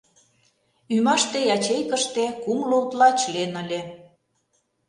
Ӱмаште ячейкыште кумло утла член ыле.